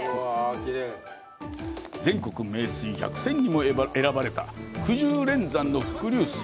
全国名水百選にも選ばれたくじゅう連山の伏流水。